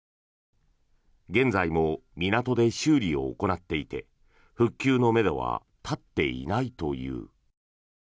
現在も港で修理を行っていて復旧のめどは立っていないという。